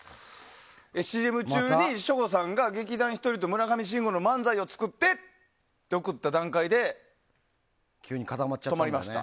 ＣＭ中に省吾さんが劇団ひとりと村上信五の漫才を作ってって送った段階で止まりました。